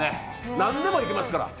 何でもいけますから。